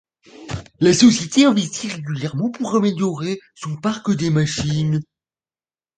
La société investit régulièrement pour améliorer son parc de machines.